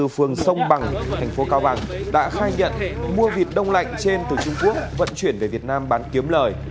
hai mươi bốn phường sông bằng thành phố cao bằng đã khai nhận mua vịt đông lạnh trên từ trung quốc vận chuyển về việt nam bán kiếm lời